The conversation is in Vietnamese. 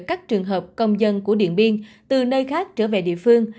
các trường hợp công dân của điện biên từ nơi khác trở về địa phương